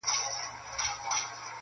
o نشه یمه تر اوسه جام مي بل څکلی نه دی,